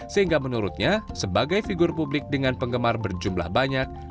sehingga menurutnya sebagai figur publik dengan penggemar berjumlah banyak